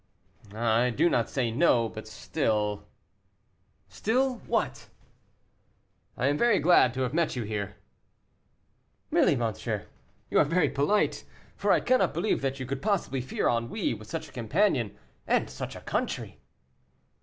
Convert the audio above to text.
"I do not say no, but still " "Still, what?" "I am very glad to have met you here." "Really, monsieur, you are very polite, for I cannot believe that you could possibly fear ennui with such a companion, and such a country."